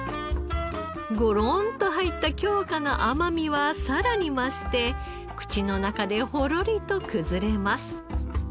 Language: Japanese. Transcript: ごろんと入った京香の甘みはさらに増して口の中でほろりと崩れます。